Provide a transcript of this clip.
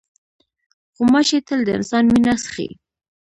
غوماشې تل د انسان وینه څښي.